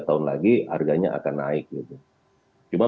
tahun lagi harganya akan naik gitu cuma